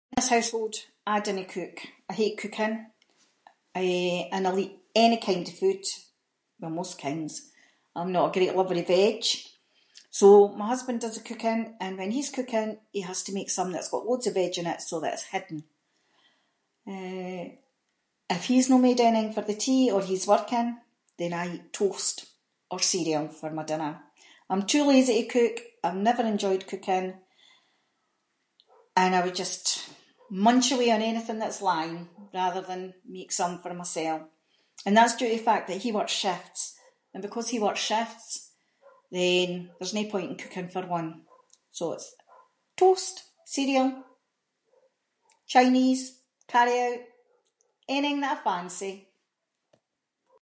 In this household I dinnae cook. I hate cooking, eh, and I’ll eat any kind of food, well, most kinds, I’m not a great lover of veg. So, my husband does the cooking, and when he’s cooking, he has to make something that’s got loads of veg in it, so that it’s hidden. Eh, if he’s no made anything for the tea, or he’s working, then I eat toast, or cereal for my dinner. I’m too lazy to cook, I’ve never enjoyed cooking, and I would just munch away on anything that’s lying, rather than make something for mysel, and that’s due to the fact that he works shifts, and because he works shifts, then there’s nae point in cooking for one. So it’s toast, cereal, Chinese, carry-out, anything that I fancy.